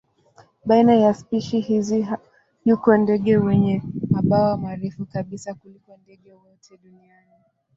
Baina ya spishi hizi yuko ndege wenye mabawa marefu kabisa kuliko ndege wote duniani.